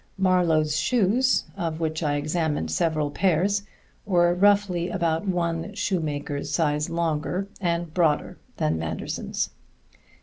Marlowe's shoes (of which I examined several pairs) were roughly about one shoemaker's size longer and broader than Manderson's.